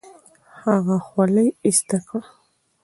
هغه خولۍ ایسته کړه.